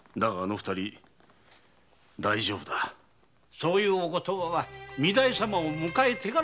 そういうお言葉は奥方様を迎えてからなさいませ。